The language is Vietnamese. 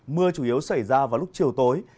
mưa chủ yếu xảy ra vào lúc chiều tối